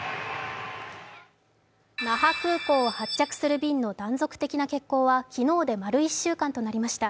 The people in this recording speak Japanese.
那覇空港を発着する便の断続的な欠航は昨日で丸１週間となりました。